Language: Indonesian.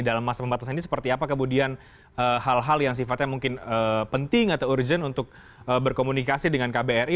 dalam masa pembatasan ini seperti apa kemudian hal hal yang sifatnya mungkin penting atau urgent untuk berkomunikasi dengan kbri